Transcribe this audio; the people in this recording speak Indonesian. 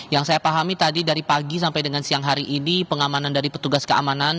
yang saya pahami tadi dari pagi sampai dengan siang hari ini pengamanan dari petugas keamanan